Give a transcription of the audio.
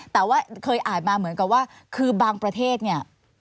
แต่ว่าเคยอ่านมาเหมือนกับว่าคือบางประเทศเนี่ย